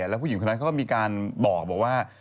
แล้วผู้หญิงคนนั้นเขาก็มีการบอกว่า